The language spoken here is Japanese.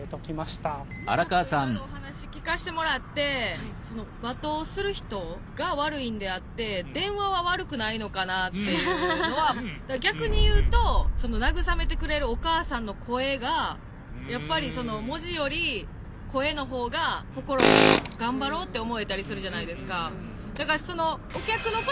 ちょっといろいろお話聞かしてもらってだから逆に言うとその慰めてくれるお母さんの声がやっぱりその文字より声の方が心に頑張ろうって思えたりするじゃないですか。